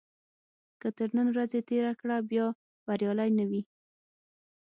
که تر نن ورځې تېره کړه بیا بریالی نه وي.